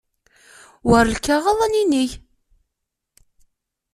War lkaɣeḍ ad ninig.